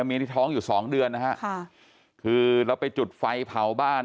เมียทิ้งท้องอยู่สองเดือนนะคะค่ะคือเราไปจุดไฟเผ่าบ้านอีก